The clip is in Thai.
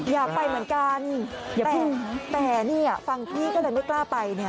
อยากไปเหมือนกันแต่ฝั่งที่ก็เลยไม่กล้าไป